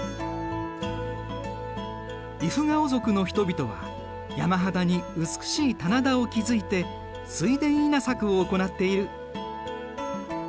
イフガオ族の人々は山肌に美しい棚田を築いて水田稲作を行っている。